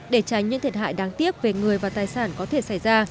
để tránh những thiệt hại đáng tiếc về người và tài sản có thể xảy ra